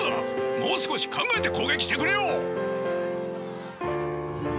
もう少し考えて攻撃してくれよ！